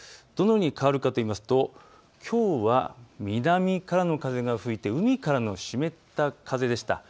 どのように変わるかといいますときょうは南からの風が吹いて海からの湿った風でした。